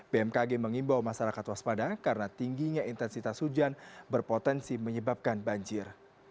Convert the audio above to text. bmkg mengimbau masyarakat waspada karena tingginya intensitas hujan berpotensi menyebabkan banjir